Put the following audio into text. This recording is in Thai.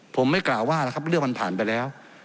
ผมไม่กล่าวว่าแล้วครับเรื่องมันผ่านไปแล้ว